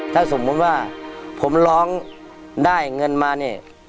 ถ้าสมมุติว่าผมร้องได้เงินมาเนี่ย